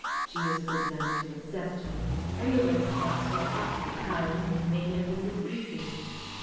She was good enough to accept me and the Westlocks were awfully kind and made everything easy.